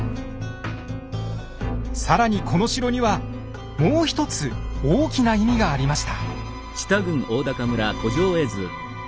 更にこの城にはもう一つ大きな意味がありました。